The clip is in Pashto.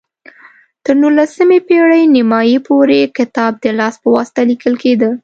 تر نولسمې پېړۍ نیمايي پورې کتاب د لاس په واسطه لیکل کېده.